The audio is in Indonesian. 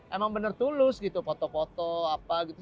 emang bener tulus gitu foto foto apa gitu